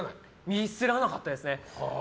ミスらなかったですね。